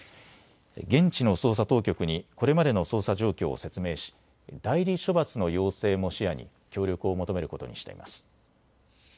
現地の捜査当局にこれまでの捜査状況を説明し代理処罰の要請も視野に協力を求めることにしています。